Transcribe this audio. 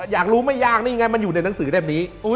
อยากรู้ไม่ยากนี่ไงมันอยู่ในหนังสือแบบนี้